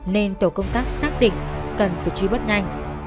nên tổ công tác xác định cần phải truy bắt nhanh